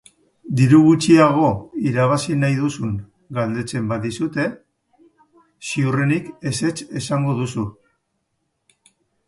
Diru gutxiago irabazi nahi duzun galdetzen badizute, ziurrenik ezetz esango duzu.